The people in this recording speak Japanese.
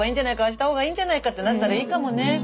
あした方がいいんじゃないかってなったらいいかもね。